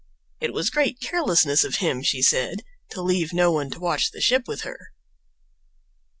It was great carelessness of him, she said, to leave no one to watch the ship with her.